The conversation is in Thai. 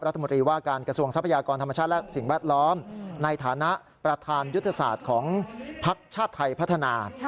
รัฐมนตรีว่าการกระทรวงทรัพยากรธรรมชาติและสิ่งแวดล้อมในฐานะประธานยุทธศาสตร์ของภักดิ์ชาติไทยพัฒนา